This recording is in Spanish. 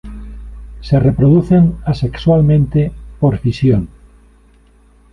Se reproducen asexualmente por fisión.